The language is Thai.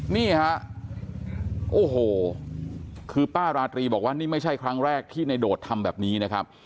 นี่ฮะโอ้โหคือป้าราตรีบอกว่านี่ไม่ใช่ครั้งแรกที่ในโดดทำแบบนี้นะครับ